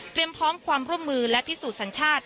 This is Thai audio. พร้อมความร่วมมือและพิสูจน์สัญชาติ